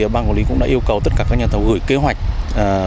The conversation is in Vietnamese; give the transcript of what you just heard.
bang quản lý cũng đã yêu cầu tất cả các nhà thầu gửi kế hoạch triển khai xuyên tết